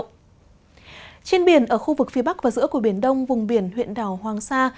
trên biển ở khu vực phía bắc và giữa của biển đông vùng biển huyện đảo hoàng sa